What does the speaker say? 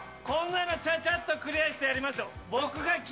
こんなのちゃちゃっとクリアしてやりますよ！